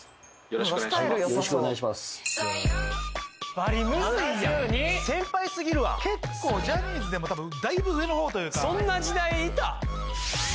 バリむずいやん先輩すぎるわ結構ジャニーズでも多分だいぶ上のほうというかそんな時代いた？